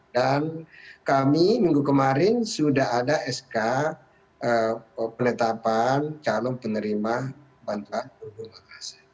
dan kami minggu kemarin sudah ada sk penetapan calon penerima bantuan